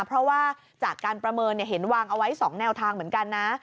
เพราะว่าจากการประเมินเห็นวางเอาไว้๒แนวทางเหมือนกันนะ